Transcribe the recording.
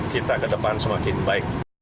kita ke depan semakin baik